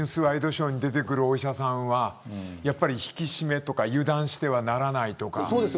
ワイドショーに出てくるお医者さんはやっぱり引き締めや油断してはならないとか。